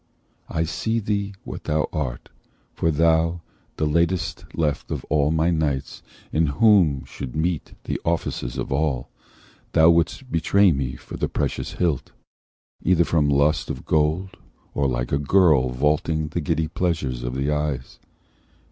I see thee what thou art, For thou, the latest left of all my knights, In whom should meet the offices of all, Thou wouldst betray me for the precious hilt; Either from lust of gold, or like a girl Valuing the giddy pleasure of the eyes.